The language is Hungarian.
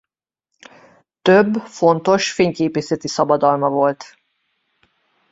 Több fontos fényképészeti szabadalma volt.